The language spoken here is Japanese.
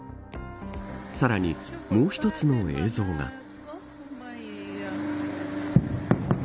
さらに、もう一つの映像が。